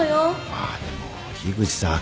まあでも樋口さん